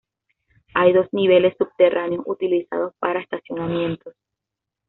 Hay dos niveles subterráneos, utilizados para estacionamientos.